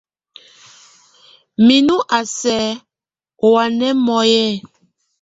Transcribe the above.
Minú a sɛk oŋwam nɔ́ye.